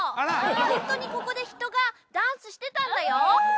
ホントにここで人がダンスしてたんだよ